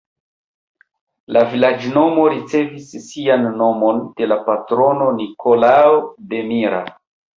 La vilaĝnomo ricevis sian nomon de la patrono Nikolao de Mira.